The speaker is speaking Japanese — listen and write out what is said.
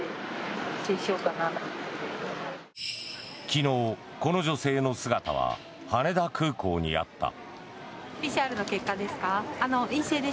昨日、この女性の姿は羽田空港にあった。